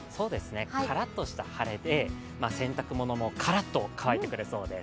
からっとした晴れで、洗濯物もからっと乾いてくれそうです。